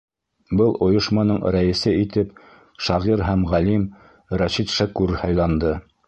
Был ойошманың рәйесе итеп шағир һәм ғалим Рәшит Шәкүр һайланды.